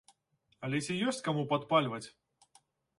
Але ці ёсць каму падпальваць?